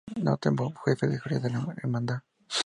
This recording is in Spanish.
Nathan Boone Jefe de seguridad de la Hermandad.